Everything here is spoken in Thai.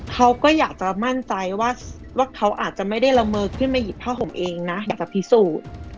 เขาก็อยากจะมั่นใจว่าเขาอาจจะไม่ได้ละเมอขึ้นมาหยิบผ้าห่มเองนะอยากจะพิสูจน์